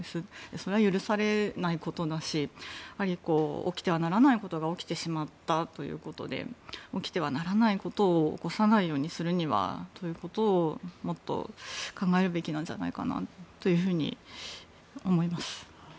それは許されないことだし起きてはならないことが起きてしまったということで起きてはならないことを起こさないようにするにはどういうことかというのをもっと考えるべきじゃないかと思います。